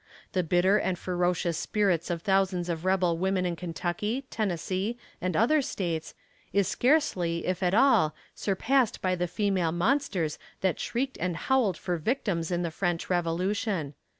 The bitter and ferocious spirit of thousands of rebel women in Kentucky, Tennessee, and other States, is scarcely, if at all, surpassed by the female monsters that shrieked and howled for victims in the French Revolution."